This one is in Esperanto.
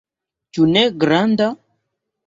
Ĉu ne granda?